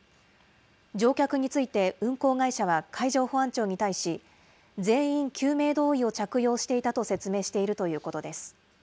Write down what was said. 乗客について運航会社は海上保安庁に対し、全員、救命胴衣を着用していたと説明しているということです。